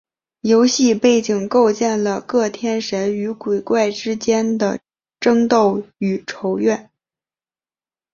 游戏背景构建了各天神与鬼怪之间的争斗与仇怨。